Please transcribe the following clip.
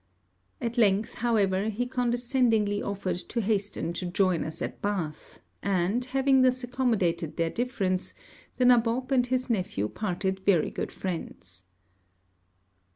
At length, however, he condescendingly offered to hasten to join us at Bath; and, having thus accommodated their difference, the nabob and his nephew parted very good friends.